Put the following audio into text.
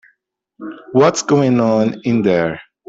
What's going on in there?